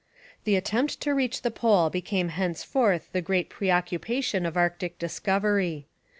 The attempt to reach the Pole became henceforth the great preoccupation of Arctic discovery.